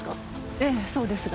ええそうですが。